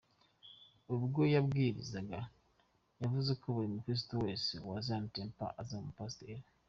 Ubwo yabwirizaga yavuze ko buri mukristo wese wa Zion Temple azaba umupasiteri.